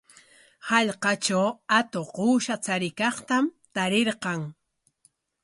Hallqatraw atuq uusha chariykaqtam tarirqan.